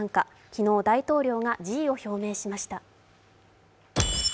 昨日、大統領が辞意を表明しました